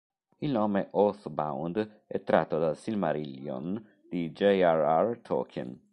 Il nome Oath Bound è tratto dal "Silmarillion" di J. R. R. Tolkien.